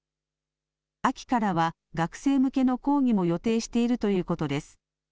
秋からは学生向けの講義も予定しているということです。